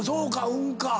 運か。